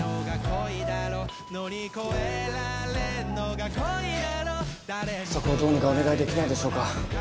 そこをどうにかお願いできないでしょうか。